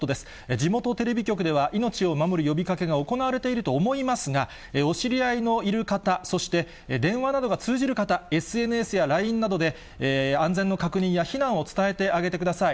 地元テレビ局では、命を守る呼びかけが行われていると思いますが、お知り合いのいる方、そして、電話などが通じる方、ＳＮＳやＬＩＮＥなどで、安全の確認や避難を伝えてあげてください。